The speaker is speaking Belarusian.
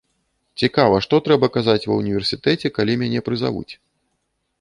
Цікава, што трэба казаць ва ўніверсітэце, калі мяне прызавуць?